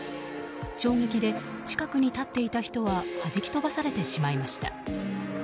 衝撃で、近くに立っていた人ははじき飛ばされてしまいました。